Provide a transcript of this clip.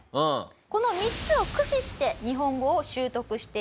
この３つを駆使して日本語を習得していきます。